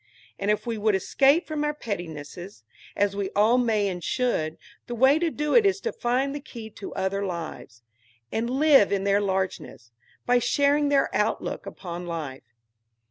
And if we would escape from our pettinesses, as we all may and should, the way to do it is to find the key to other lives, and live in their largeness, by sharing their outlook upon life.